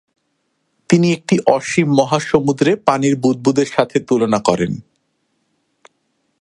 তিনি একটি অসীম মহাসমুদ্রে পানির বুদ্বুদের সাথে তুলনা করেন।